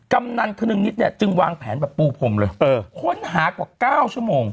กำนันคนนึงนิดเนี่ยจึงวางแผนแบบปูพรมเลยค้นหากว่า๙ชั่วโมง